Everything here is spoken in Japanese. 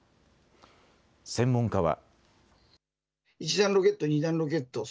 専門家は。